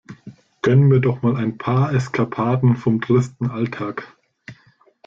Gönn mir doch mal ein paar Eskapaden vom tristen Alltag!